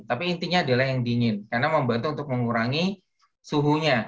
tapi intinya adalah yang dingin karena membantu untuk mengurangi suhunya